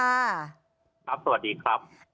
ครับสวัสดีครับ